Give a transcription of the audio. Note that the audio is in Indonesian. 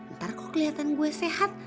ntar kok kelihatan gue sehat